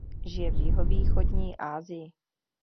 Žije v jihovýchodní Asii.